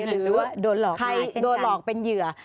หรือว่าโดนหลอกมาเช่นกันหรือว่าใครโดนหลอกเป็นเหยื่อ